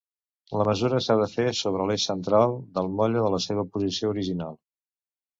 La mesura s'ha de fer sobre l'eix central del motlle en la seva posició original.